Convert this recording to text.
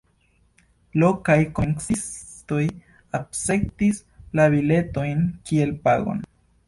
Lokaj komercistoj akceptis la biletojn kiel pagon.